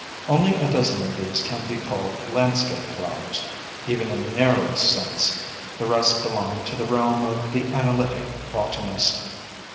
Only a dozen of these can be called landscape flowers, even in the narrowest sense ; the rest belong to the realm of the analytic botanist.